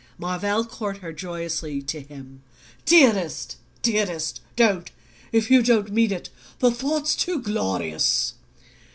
Marvell caught her to him joyously. "Dearest dearest! Don't, if you don't mean it! The thought's too glorious!"